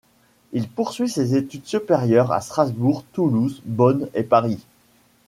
Il poursuit ses études supérieures à Strasbourg, Toulouse, Bonn et Paris.